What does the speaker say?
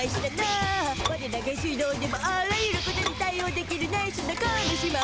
ワレら下水道でもあらゆることに対おうできるナイスな亀姉妹！